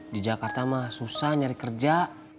di jakarta mah susah nyari kerja